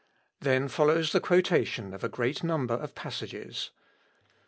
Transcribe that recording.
Then follows the quotation of a great number of passages.